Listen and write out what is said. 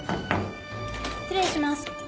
失礼します。